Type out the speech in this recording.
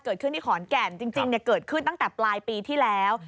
เกิดขึ้นที่ขอนแก่นจริงเกิดขึ้นตั้งแต่ปลายปีที่แล้ว